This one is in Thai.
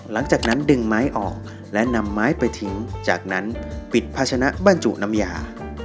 ๗แล้วนำไม้ออกแล้วนำไปทิ้งจากนั้นปิดภาชนะบรรจุนามยา